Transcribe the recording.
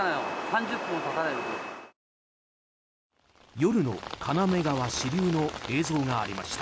夜の金目川支流の映像がありました。